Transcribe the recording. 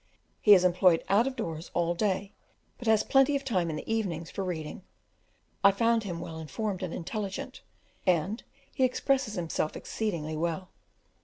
He is employed out of doors all day, but has plenty of time in the evenings for reading I found him well informed and intelligent, and he expresses himself exceedingly well.